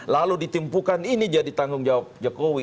lalu ditimpukan ini jadi tanggung jawab jokowi